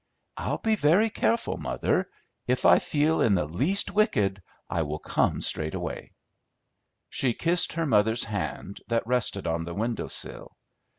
"I'll be very careful, mother. If I feel in the least wicked I will come straight away." She kissed her mother's hand that rested on the window sill.